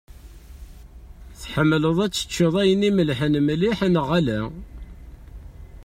Tḥemmleḍ ad teččeḍ ayen imellḥen mliḥ neɣ ala?